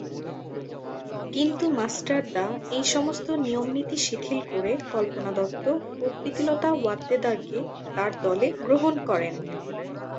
কিন্তু মাস্টার দা এই সমস্ত নিয়ম নীতি শিথিল করে কল্পনা দত্ত ও প্রীতিলতা ওয়াদ্দেদার-কে তার দলে গ্রহণ করেন।